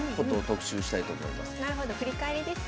なるほど振り返りですね。